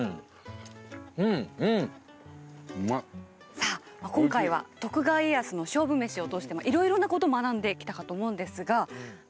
さあ今回は徳川家康の勝負メシを通していろいろなことを学んできたかと思うんですが皆さんいかがでしたか？